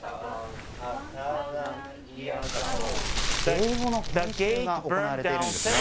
英語の研修が行われているんです。